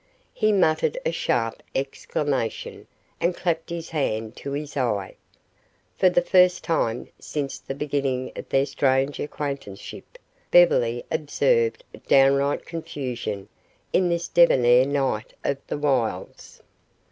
He muttered a sharp exclamation and clapped his hand to his eye. For the first time since the beginning of their strange acquaintanceship Beverly observed downright confusion in this debonair knight of the wilds.